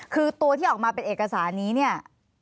คือตัวที่ออกมาเป็นเอกสารนี้เนี่ย